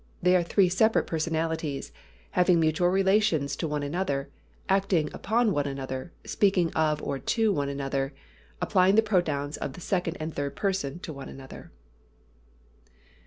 They are three separate personalities, having mutual relations to one another, acting upon one another, speaking of or to one another, applying the pronouns of the second and third persons to one another.